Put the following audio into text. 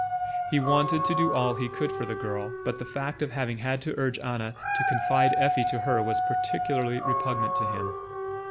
He wanted to do all he could for the girl, but the fact of having had to urge Anna to confide Effie to her was peculiarly repugnant to him.